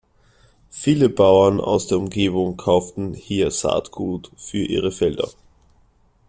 Viele Bauern aus der Umgebung kauften hier Saatgut für ihre Felder.